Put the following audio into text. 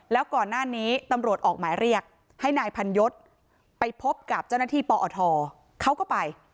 แล้วก่อนหน้านี้ตำรวจออกหมายเรียกให้นายพันยศไปพบกับเจ้าหน้าที่ปอทเขาก็ไป